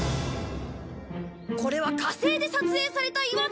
これは火星で撮影された岩だ！